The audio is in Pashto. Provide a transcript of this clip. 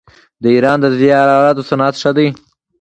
د ایران د زیوراتو صنعت ښه دی.